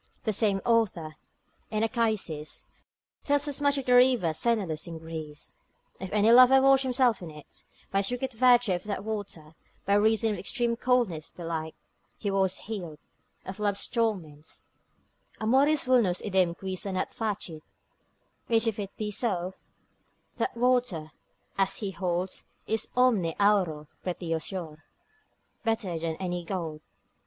The same author, in Achaicis, tells as much of the river Senelus in Greece; if any lover washed himself in it, by a secret virtue of that water, (by reason of the extreme coldness belike) he was healed, of love's torments, Amoris vulnus idem qui sanat facit; which if it be so, that water, as he holds, is omni auro pretiosior, better than any gold.